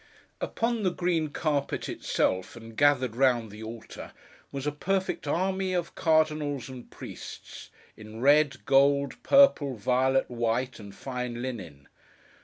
Upon the green carpet itself, and gathered round the altar, was a perfect army of cardinals and priests, in red, gold, purple, violet, white, and fine linen.